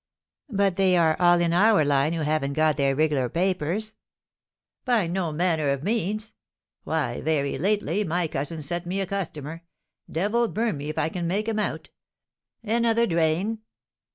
"But they are all in our line who haven't got their riglar papers?" "By no manner of means! Why, very lately, my cousin sent me a customer, devil burn me if I can make him out! Another drain?"